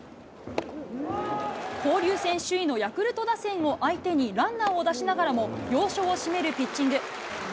交流戦首位のヤクルト打線を相手に、ランナーを出しながらも、要所を締めるピッチング。